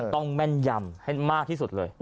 แม่นยำให้มากที่สุดเลย